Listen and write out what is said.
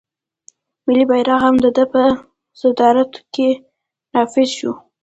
ملي بیرغ هم د ده په صدارت کې نافذ شو.